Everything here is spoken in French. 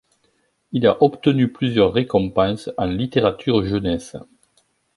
Il a obtenu plusieurs récompenses en littérature jeunesse.